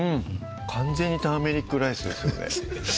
完全にターメリックライスですよね